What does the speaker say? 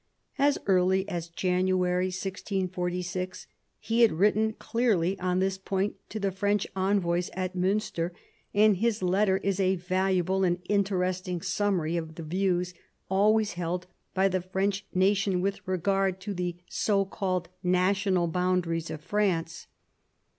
As early as January 1646 he had written clearly on this point to the French envoys at Miinster, and his letter is a valu able and interesting summary of the views always held by the French nation with regard to the so called national boundaries of France.